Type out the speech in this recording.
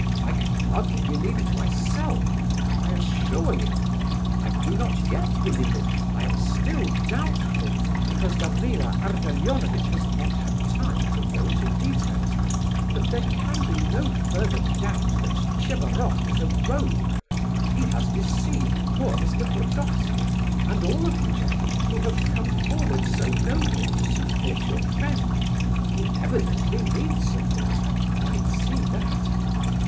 I can hardly believe it myself, I assure you; I do not yet believe it; I am still doubtful, because Gavrila Ardalionovitch has not had time to go into details; but there can be no further doubt that Tchebaroff is a rogue! He has deceived poor Mr. Burdovsky, and all of you, gentlemen, who have come forward so nobly to support your friend—(he evidently needs support, I quite see that!).